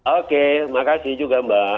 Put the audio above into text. oke terima kasih juga mbak